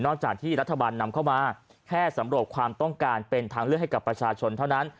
จากที่รัฐบาลนำเข้ามาแค่สำรวจความต้องการเป็นทางเลือกให้กับประชาชนเท่านั้น